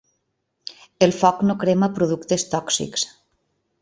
El foc no crema productes tòxics.